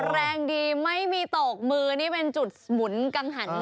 แรงดีไม่มีตกมือนี่เป็นจุดหมุนกังหันเลย